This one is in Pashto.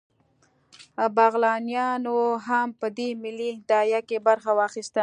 بغلانیانو هم په دې ملي داعیه کې برخه واخیسته